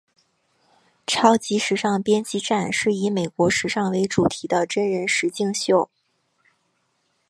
超级时尚编辑战是以美国时尚为主题的真人实境秀。